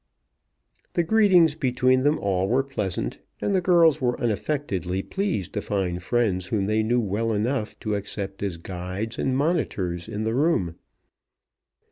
The greetings between them all were pleasant, and the girls were unaffectedly pleased to find friends whom they knew well enough to accept as guides and monitors in the room.